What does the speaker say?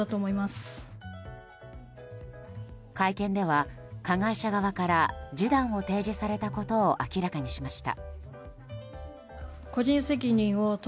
会見では、加害者側から示談を提示されたことを明らかにしました。